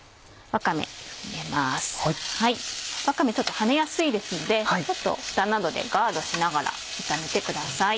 わかめちょっと跳ねやすいですのでフタなどでガードしながら炒めてください。